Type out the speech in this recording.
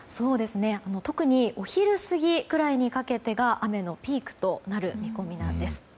特にお昼過ぎくらいにかけてが雨のピークとなる見込みです。